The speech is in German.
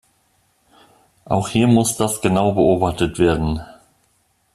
Auch hier muss das genau beobachtet werden!